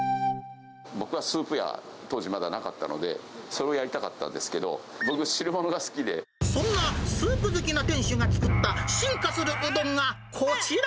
僕はスープ屋、当時まだなかったので、それをやりたかったんそんなスープ好きな店主が作った進化するうどんがこちら。